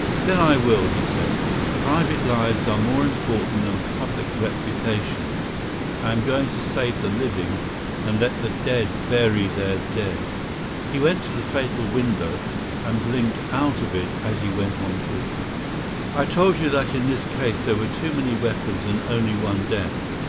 "Then I will," he said. "Private lives are more important than public reputations. I am going to save the living, and let the dead bury their dead." He went to the fatal window, and blinked out of it as he went on talking. "I told you that in this case there were too many weapons and only one death.